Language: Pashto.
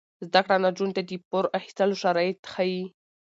زده کړه نجونو ته د پور اخیستلو شرایط ښيي.